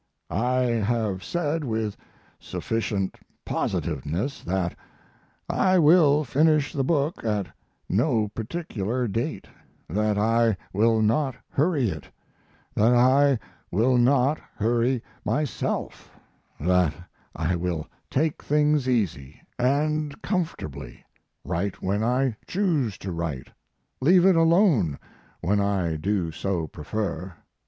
I have said with sufficient positiveness that I will finish the book at no particular date; that I will not hurry it; that I will not hurry myself; that I will take things easy and comfortably write when I choose to write, leave it alone when I do so prefer...